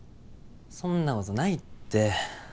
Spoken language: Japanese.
そんなことないって。